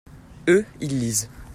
eux, ils lisent.